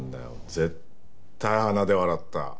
絶対鼻で笑った。